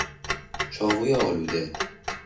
چاقوی آلوده